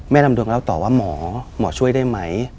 ลำดวงเล่าต่อว่าหมอหมอช่วยได้ไหม